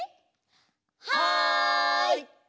はい！